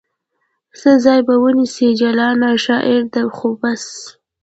څه ځای به ونیسي جلانه ؟ شاعرې ده خو بس